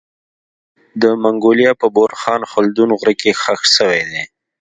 د منګولیا په بورخان خلدون غره کي خښ سوی دی